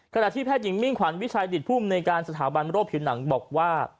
ขณะที่แพทย์หญิงมิ่งขวัญวิชัยดิตภูมิในการสถาบันโรคผิวหนังบอกว่า